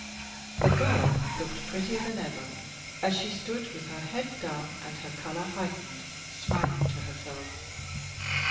The girl looked prettier than ever as she stood with her head down and her color heightened, smiling to herself.